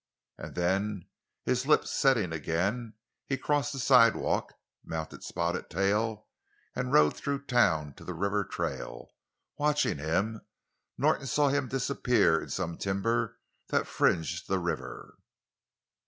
And then, his lips setting again, he crossed the sidewalk, mounted Spotted Tail, and rode through town to the river trail. Watching him, Norton saw him disappear in some timber that fringed the river.